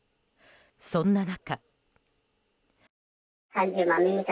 そんな中。